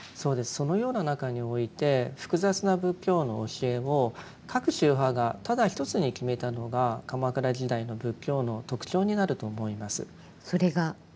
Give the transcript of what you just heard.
そのような中において複雑な仏教の教えを各宗派がただ一つに決めたのが鎌倉時代の仏教の特徴になると思います。